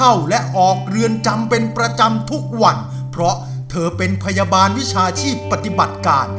และออกเรือนจำเป็นประจำทุกวันเพราะเธอเป็นพยาบาลวิชาชีพปฏิบัติการ